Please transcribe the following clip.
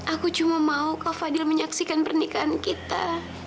aku cuma mau kau fadil menyaksikan pernikahan kita